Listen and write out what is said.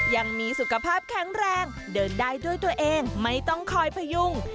ยังมีสุขภาพแข็งแรงเดินได้ด้วยตัวเองไม่ต้องคอยพยุง